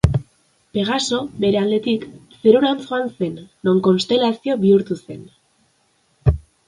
Pegaso, bere aldetik, zerurantz joan zen, non konstelazio bihurtu zen.